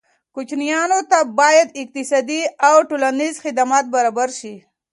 کوچیانو ته باید اقتصادي او ټولنیز خدمات برابر شي.